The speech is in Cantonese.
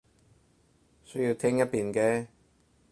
需要聽一遍嘅